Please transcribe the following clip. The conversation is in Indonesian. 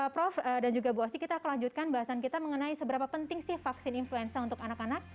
prof dan juga bu asyik kita akan lanjutkan bahasan kita mengenai seberapa penting sih vaksin influenza untuk anak anak